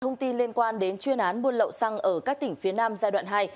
thông tin liên quan đến chuyên án buôn lậu xăng ở các tỉnh phía nam giai đoạn hai